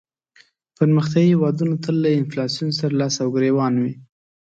پرمختیایې هېوادونه تل له انفلاسیون سره لاس او ګریوان وي.